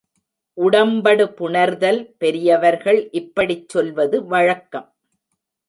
உடம்படுபுணர்தல் பெரியவர்கள் இப்படிச் சொல்வது வழக்கம்.